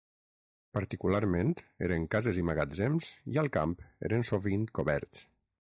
Particularment eren cases i magatzems i al camp eren sovint coberts.